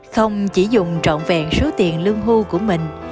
không chỉ dùng trọn vẹn số tiền lương hưu của mình